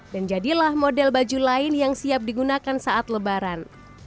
dan jadilah model baju lain yang siap digunakan saat lebaran